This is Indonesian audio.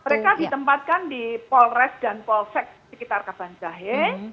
mereka ditempatkan di polres dan polsek sekitar kabanjahe